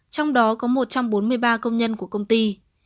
trong đó có một trăm bốn mươi ba công nhân của công ty